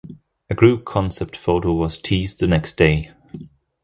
A group concept photo was teased the next day.